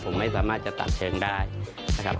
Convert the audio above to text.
ผมไม่สามารถจะตัดเชิงได้นะครับ